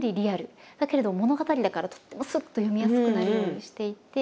だけれども物語だからとってもすっと読みやすくなるようにしていて。